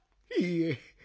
いいえ